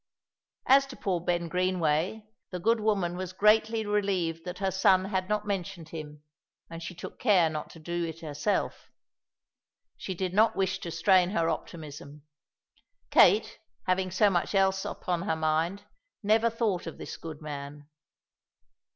As to poor Ben Greenway, the good woman was greatly relieved that her son had not mentioned him, and she took care not to do it herself. She did not wish to strain her optimism. Kate, having so much else upon her mind, never thought of this good man.